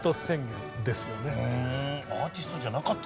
アーティストじゃなかった？